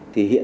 thì hiện ra